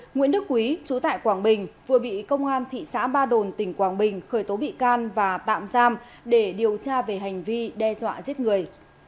nguyễn đức quý chú tại quảng bình vừa bị công an thị xã ba đồn tỉnh quảng bình khởi tố bị can và tạm giam để điều tra về hành vi đe dọa giết người